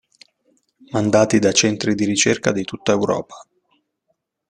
Mandati da centri di ricerca di tutta Europa.